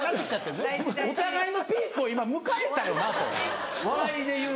お互いのピークを今迎えたよなと笑いでいう。